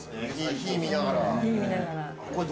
火見ながら。